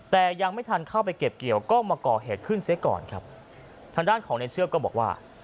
แต่ยังไม่ทันเข้าไปเก็บเกี่ยวก็มาก่อเหตุขึ้นเสียก่อนครับทางด้านของในเชือกก็บอกว่า